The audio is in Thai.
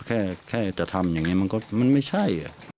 แค่แค่จะทำอย่างนี้มันไม่ใช่